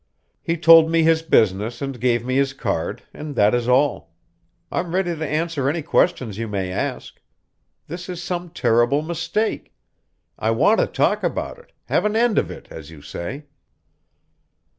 He told me his business and gave me his card, and that is all. I'm ready to answer any questions you may ask. This is some terrible mistake. I want to talk about it have an end of it, as you say."